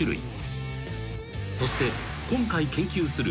［そして今回研究する］